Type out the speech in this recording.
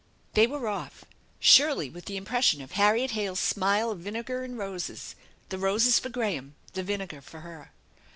They were off, Shirley with the impression of Harriet Hale's smile of vinegar and roses; the roses for Graham, the vinegar for her.